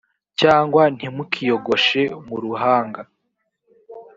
cyangwa ntimukiyogoshe mu ruhanga